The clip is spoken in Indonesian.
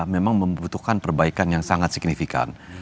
memang membutuhkan perbaikan yang sangat signifikan